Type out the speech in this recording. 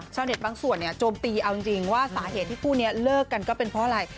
บางส่วนเนี่ยโจมตีเอาจริงว่าสาเหตุที่คู่นี้เลิกกันก็เป็นเพราะอะไร